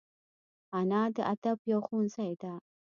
انا د ادب یو ښوونځی ده